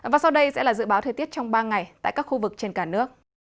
và sau đây sẽ là dự báo thời tiết trong ba ngày tại các khu vực trên cả nước